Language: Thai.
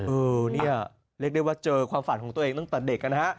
เออเนี่ยเรียกได้ว่าเจอความฝันของตัวเองตั้งแต่เด็กนะฮะ